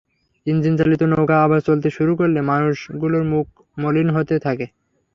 ইঞ্জিনচালিত নৌকা আবার চলতে শুরু করলে মানুষগুলোর মুখ মলিন হতে থাকে।